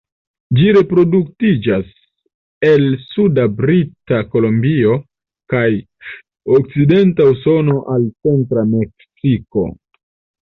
Ĝi reproduktiĝas el suda Brita Kolumbio kaj okcidenta Usono al centra Meksiko.